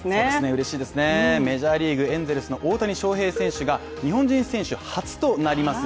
うれしいですね、メジャーリーグ、エンゼルス・大谷翔平選手が日本人選手初となります